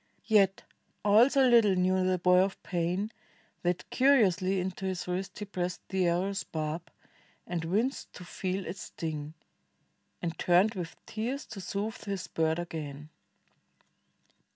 Yet all so little knew the boy of pain That curiously into his wrist he pressed 31 INDIA The arrow's barb, and winced to feel it sting. And turned with tears to soothe his bird again.